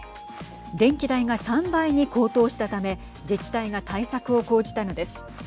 電気代が３倍に高騰したため自治体が対策を講じたのです。